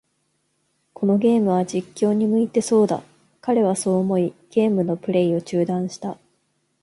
このゲームは、実況に向いてそうだ。彼はそう思い、ゲームのプレイを中断した。